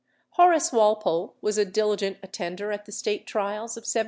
Horace Walpole was a diligent attender at the State Trials of 1746.